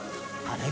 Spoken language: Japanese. あれ？